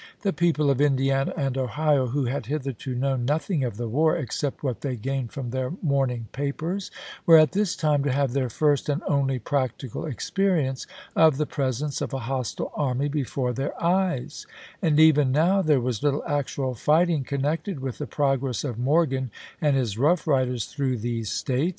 The people of Indiana and Ohio, who had hitherto known nothing of the war, except what they gained from their morning papers, were at this time to have their first and only practical experience of the presence of a hostile army before their eyes ; and even now there was little actual fighting connected with the progress of Morgan and his rough riders through these States.